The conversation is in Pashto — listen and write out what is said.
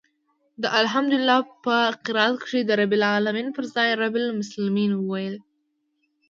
ده د الحمد په قرائت کښې د رب العلمين پر ځاى رب المسلمين وويل.